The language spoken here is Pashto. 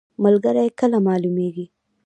ملګری کله معلومیږي؟